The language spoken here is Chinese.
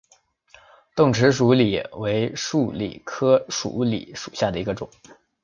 钝齿鼠李为鼠李科鼠李属下的一个种。